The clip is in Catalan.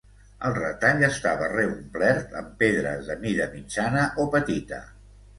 El retall estava reomplert amb pedres de mida mitjana o petita.